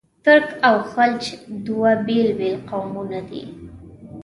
ترک او خلج دوه بېل بېل قومونه دي.